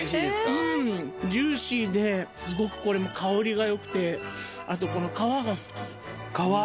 うんジューシーですごくこれも香りがよくてあとこの皮が好き・皮？